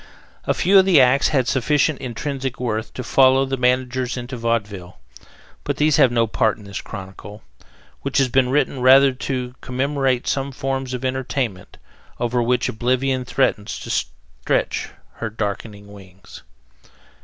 A few of the acts had sufficient intrinsic worth to follow the managers into vaudeville, but these have no part in this chronicle, which has been written rather to commemorate some forms of entertainment over which oblivion threatens to stretch her darkening wings.